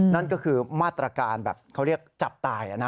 นั่นก็คือมาตรการแบบเขาเรียกจับตาย